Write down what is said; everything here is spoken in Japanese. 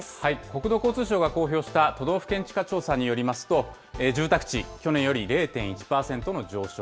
国土交通省が公表した都道府県地価調査によりますと、住宅地、去年より０．１％の上昇。